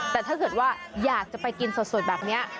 แต่ถ้าเกิดว่าอยากจะไปกินสดแบบนี้